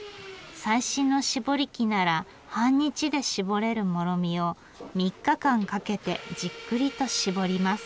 最新の搾り器なら半日で搾れるモロミを３日間かけてじっくりと搾ります。